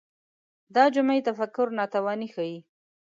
دا جمعي تفکر ناتواني ښيي